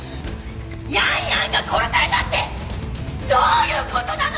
ヤンヤンが殺されたってどういう事なの！？